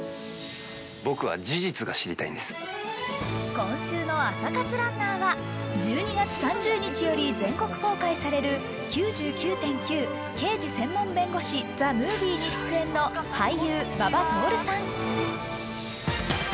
今週の朝活ランナーは１２月３０日より公開される全国公開される「９９．９−刑事専門弁護士−ＴＨＥＭＯＶＩＥ」に出演の俳優・馬場徹さん。